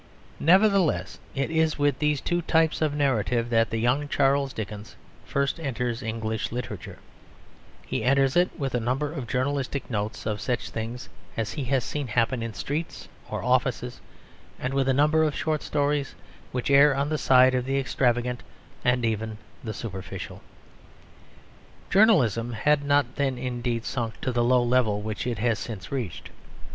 Nevertheless it is with these two types of narrative that the young Charles Dickens first enters English literature; he enters it with a number of journalistic notes of such things as he has seen happen in streets or offices, and with a number of short stories which err on the side of the extravagant and even the superficial. Journalism had not then, indeed, sunk to the low level which it has since reached.